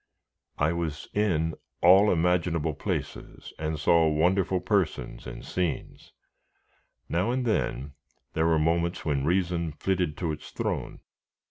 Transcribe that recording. I was in all imaginable places, and saw wonderful persons and scenes. Now and then, there were moments when reason flitted to its throne.